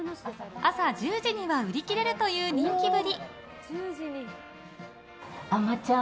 朝１０時には売り切れるという人気ぶり。